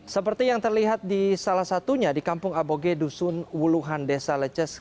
seperti yang terlihat di salah satunya di kampung aboge dusun wuluhan desa leces